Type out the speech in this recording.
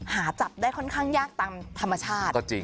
หาจับได้ค่อนข้างยากตามธรรมชาติ